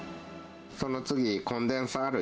その次、コンデンサー類。